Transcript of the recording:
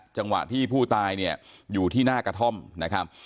จังหวะที่ผู้ตายเนี่ยอยู่ที่หน้ากระท่อมนะครับ